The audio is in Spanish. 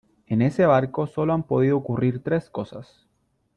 en ese barco solo han podido ocurrir tres cosas .